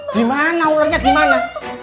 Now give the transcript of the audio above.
dimana ularnya dimana